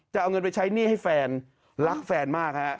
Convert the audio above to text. จะเอาเงินไปใช้หนี้ให้แฟนรักแฟนมากฮะ